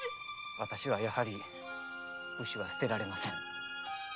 私はやはり武士は捨てられません。